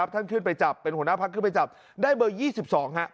ท่านขึ้นไปจับเป็นหัวหน้าพักขึ้นไปจับได้เบอร์๒๒ฮะ